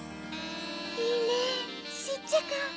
いいねシッチャカ。